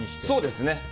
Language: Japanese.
そうですね。